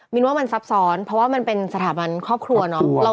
ว่ามันซับซ้อนเพราะว่ามันเป็นสถาบันครอบครัวเนาะ